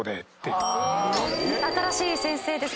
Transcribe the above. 新しい先生です。